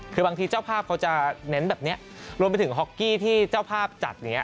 คือบางทีเจ้าภาพเขาจะเน้นแบบนี้รวมไปถึงฮอกกี้ที่เจ้าภาพจัดอย่างนี้